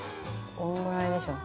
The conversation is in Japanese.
このぐらいでしょ。